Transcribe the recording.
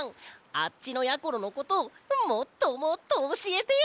あっちのやころのこともっともっとおしえてよ！